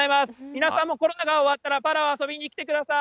皆さんもコロナが終わったら、パラオ、遊びに来てください。